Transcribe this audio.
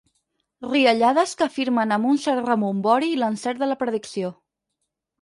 Riallades que afirmen amb un cert rebombori l'encert de la predicció.